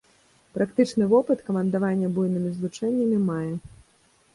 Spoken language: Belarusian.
Практычны вопыт камандавання буйнымі злучэннямі мае.